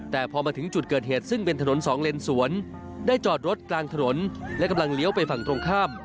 แต่พอมาถึงจุดเกิดเหตุซึ่งเป็นถนนสองเลนสวนได้จอดรถกลางถนนและกำลังเลี้ยวไปฝั่งตรงข้าม